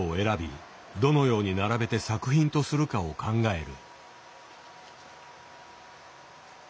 どのように並べて作品とするかを考える。